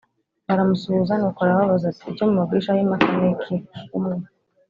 baramusuhuza Nuko arababaza ati icyo mubagishaho impaka ni iki Umwe